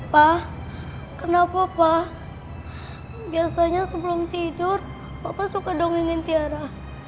pa kenapa pa biasanya sebelum tidur papa suka dongengin tiara